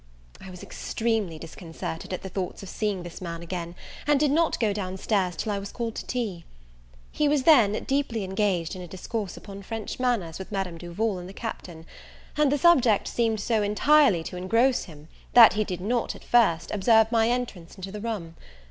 I was extremely disconcerted at the thoughts of seeing this man again, and did not go downstairs till I was called to tea. He was then deeply engaged in a discourse upon French manners with Madame Duval and the Captain; and the subject seemed so entirely to engross him, that he did not, at first, observe my entrance into the room.